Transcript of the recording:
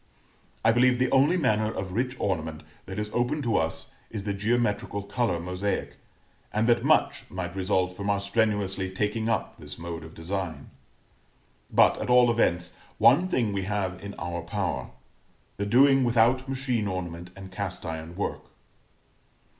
I believe the only manner of rich ornament that is open to us is the geometrical color mosaic, and that much might result from our strenuously taking up this mode of design. But, at all events, one thing we have in our power the doing without machine ornament and cast iron work.